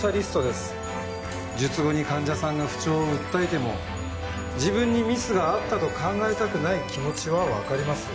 術後に患者さんが不調を訴えても自分にミスがあったと考えたくない気持ちはわかりますよ。